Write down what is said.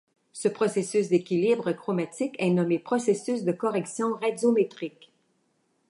Ce processus d'équilibre chromatique est nommé processus de correction radiométrique.